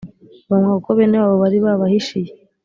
Banywa kuko bene wabo bari babahishiye